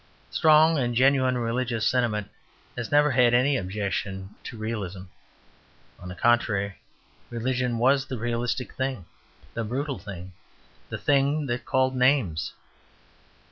Strong and genuine religious sentiment has never had any objection to realism; on the contrary, religion was the realistic thing, the brutal thing, the thing that called names.